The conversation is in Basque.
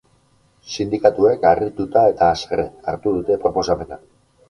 Sindikatuek harrituta eta haserre hartu dute proposamena.